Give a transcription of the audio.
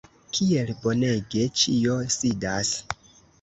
kiel bonege ĉio sidas!